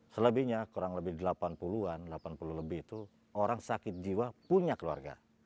selebihnya kurang lebih delapan puluh an delapan puluh lebih itu orang sakit jiwa punya keluarga